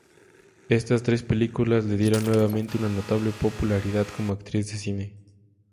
Estas tres películas le dieron nuevamente una notable popularidad como actriz de cine.